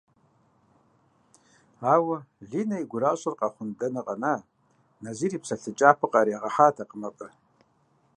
Ауэ Линэ и гуращэр къэхъун дэнэ къэна, Назир и псалъэ кӏапэ къыӏэригъэхьатэкъым абы.